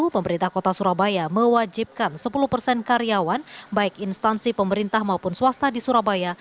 pemerintah kota surabaya mewajibkan sepuluh persen karyawan baik instansi pemerintah maupun swasta di surabaya